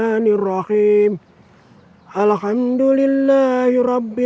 assalamualaikum warahmatullahi wabarakatuh